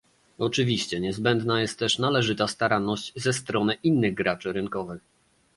Oczywiście niezbędna jest też należyta staranność ze strony innych graczy rynkowych